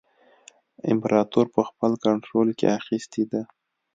امپراطور په خپل کنټرول کې اخیستی دی.